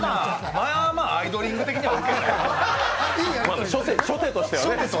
まあまあアイドリング的にはオーケーだよ。